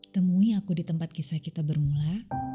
temui aku di tempat kisah kita bermula